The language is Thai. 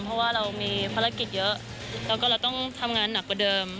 เพราะว่าเรามีภารกิจเยอะแล้วก็เราต้องทำงานหนักกว่าเดิม